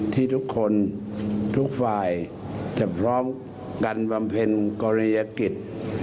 ที่ทุกคนทุกฝ่ายจะพร้อมกันบำเพ็ญกรณียกิจ